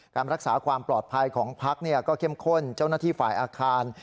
การรักษาความปลอดภัยของพักก็เข้มข้นเจ้าหน้าที่ฝ่ายอาคาร